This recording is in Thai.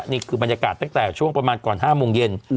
นี่คือบรรยากาศตั้งแต่ช่วงประมาณก่อน๕โมงเย็น